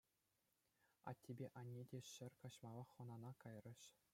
Аттепе анне те ҫӗр каҫмаллах хӑнана кайрӗҫ.